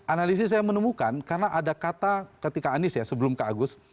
analisis saya menemukan karena ada kata ketika anies ya sebelum ke agus